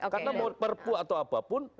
karena mau perpu atau apapun